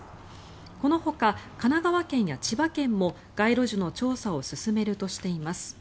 このほか、神奈川県や千葉県も街路樹の調査を進めるとしています。